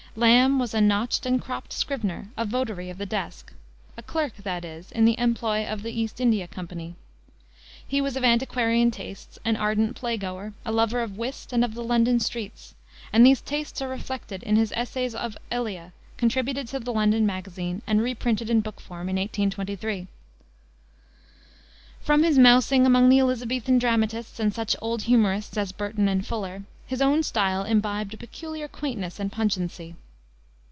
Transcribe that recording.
Lamb was "a notched and cropped scrivener, a votary of the desk," a clerk, that is, in the employ of the East India Company. He was of antiquarian tastes, an ardent play goer, a lover of whist and of the London streets; and these tastes are reflected in his Essays of Elia, contributed to the London Magazine and reprinted in book form in 1823. From his mousing among the Elisabethan dramatists and such old humorists as Burton and Fuller, his own style imbibed a peculiar quaintness and pungency.